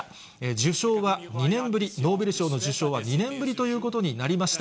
受賞は２年ぶり、ノーベル賞の受賞は２年ぶりということになりました。